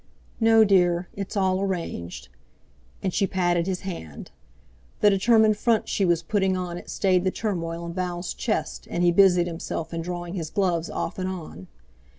"No, dear; it's all arranged." And she patted his hand. The determined front she was putting on it stayed the turmoil in Val's chest, and he busied himself in drawing his gloves off and on.